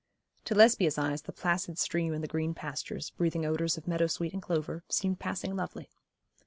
To Lesbia's eyes the placid stream and the green pastures, breathing odours of meadow sweet and clover, seemed passing lovely.